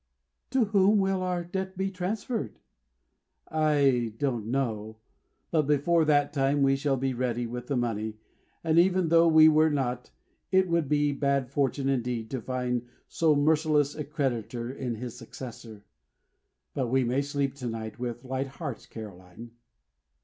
"To whom will our debt be transferred?" "I don't know. But before that time we shall be ready with the money; and even though we were not, it would be bad fortune indeed to find so merciless a creditor in his successor. We may sleep to night with light hearts, Caroline!"